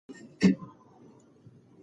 پلار وویل چې چای خوندور دی.